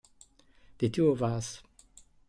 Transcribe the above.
The Two of Us